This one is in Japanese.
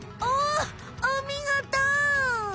おおみごと！